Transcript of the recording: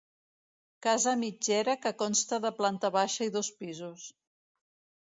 Casa mitgera que consta de planta baixa i dos pisos.